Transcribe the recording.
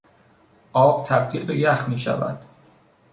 آب تبدیل به یخ میشود.